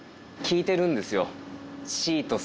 聞いてるんですよ。